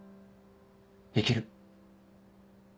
生きる。